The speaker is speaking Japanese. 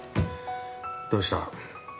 どうした？